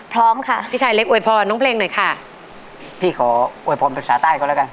พร้อมค่ะพี่ชายเล็กอวยพรน้องเพลงหน่อยค่ะพี่ขออวยพรภาษาใต้เขาแล้วกัน